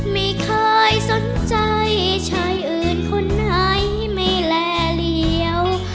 ไม่เคยสนใจชายอื่นคนไหนไม่แลเหลี่ยว